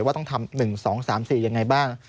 ว่าต้องทำ๑๒๓๔ยังไงบ้าง